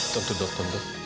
tim abad dan tim dewi